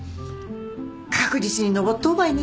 確実に上っとうばいね